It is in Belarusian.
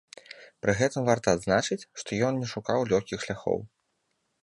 Пры гэтым варта адзначыць, што ён не шукаў лёгкіх шляхоў.